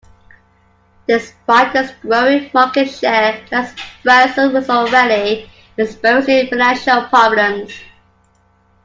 Despite its growing market share, Transbrasil was already experiencing financial problems.